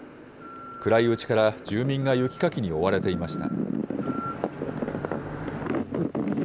暗いうちから住民が雪かきに追われていました。